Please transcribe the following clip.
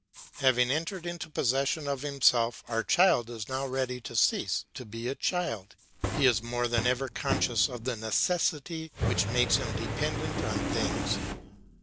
Having entered into possession of himself, our child is now ready to cease to be a child. He is more than ever conscious of the necessity which makes him dependent on things.